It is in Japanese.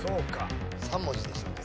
３文字でしたね。